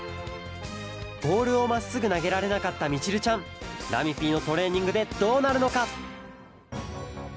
ボールをまっすぐなげられなかったみちるちゃん。ラミＰのトレーニングでどうなるのか？